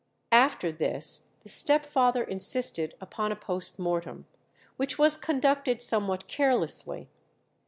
After this the step father insisted upon a post mortem, which was conducted somewhat carelessly.